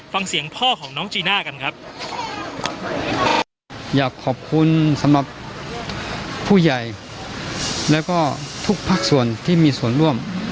ฟังเสียงพ่อของน้องจีน่ากันครับอยากขอบคุณสำหรับผู้ใหญ่แล้วก็ทุกภาคส่วนที่มีส่วนร่วม